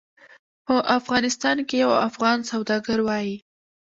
په افغانستان کې یو افغان سوداګر وایي.